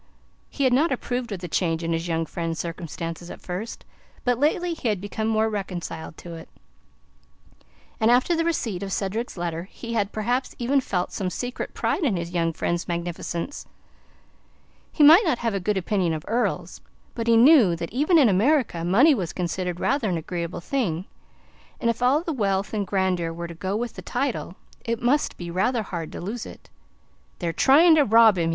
He had not approved of the change in his young friend's circumstances at first, but lately he had become more reconciled to it, and after the receipt of Cedric's letter he had perhaps even felt some secret pride in his young friend's magnificence. He might not have a good opinion of earls, but he knew that even in America money was considered rather an agreeable thing, and if all the wealth and grandeur were to go with the title, it must be rather hard to lose it. "They're trying to rob him!"